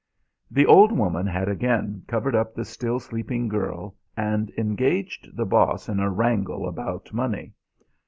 The old woman had again covered up the still sleeping girl and engaged the Boss in a wrangle about money.